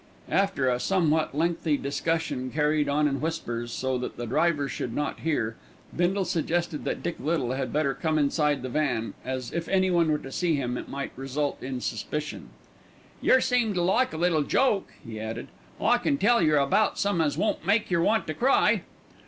After a somewhat lengthy discussion carried on in whispers, so that the driver should not hear, Bindle suggested that Dick Little had better come inside the van, as if anyone were to see them it might result in suspicion. "Yer seem to like a little joke," he added. "I can tell yer about some as won't make yer want to cry."